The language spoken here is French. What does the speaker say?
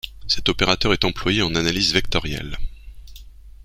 Cet opérateur est employé en analyse vectorielle.